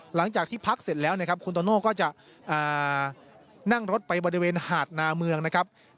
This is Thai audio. หลังจากที่พักเสร็จแล้วนะครับคุณโตโน่ก็จะนั่งรถไปบริเวณหาดนาเมืองนะครับ